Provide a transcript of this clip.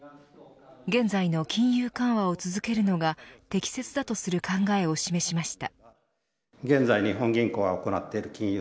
現在の金融緩和を続けるのが適切だとする考えを示しました。